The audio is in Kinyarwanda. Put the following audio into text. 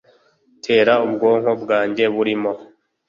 'tera ubwonko bwanjye burimo.